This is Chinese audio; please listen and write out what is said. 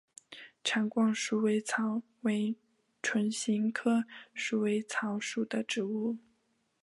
长冠鼠尾草为唇形科鼠尾草属的植物。